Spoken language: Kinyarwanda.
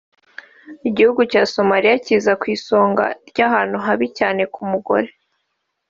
Igihugu cya Somalia kiza ku isonga ry’ahantu habi cyane ku mugore